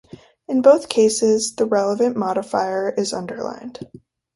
In both cases the relevant modifier is underlined.